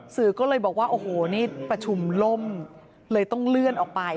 สื่อก็เลยบอกว่าโอ้โหนี่ประชุมล่มเลยต้องเลื่อนออกไป